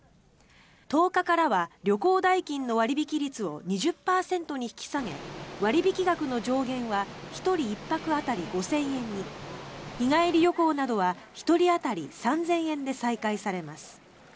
１０日からは旅行代金の割引率を２０％に引き下げ割引額の上限は１人１泊当たり５０００円に日帰り旅行などは１人当たり３０００円で再開されます。